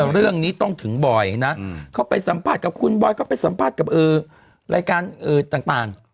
เรื่องนี้ต้องถึงบอยนะเขาไปสัมภาษณ์กับคุณบอยเขาไปสัมภาษณ์กับรายการต่าง